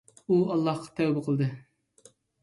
ئۇ ئاللاھقا تەۋبە قىلدى.